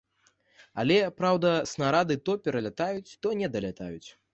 Але, праўда, снарады то пералятаюць, то не далятаюць.